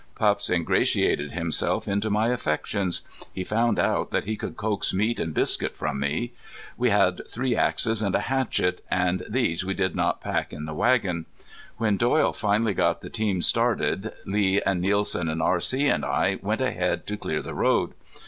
Pups ingratiated himself into my affections. He found out that he could coax meat and biscuit from me. We had three axes and a hatchet; and these we did not pack in the wagon. When Doyle finally got the teams started Lee and Nielsen and R.C. and I went ahead to clear the road.